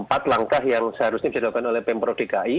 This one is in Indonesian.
ada empat langkah yang seharusnya diadakan oleh pemprov dki